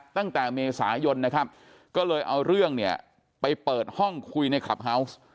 ตั้งแต่เมษายนนะครับก็เลยเอาเรื่องเนี่ยไปเปิดห้องคุยในคลับเฮาวส์